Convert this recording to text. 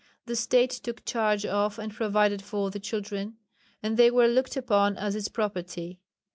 The State took charge of and provided for the children, and they were looked upon as its property.